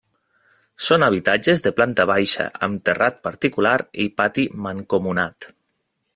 Són habitatges de planta baixa amb terrat particular i pati mancomunat.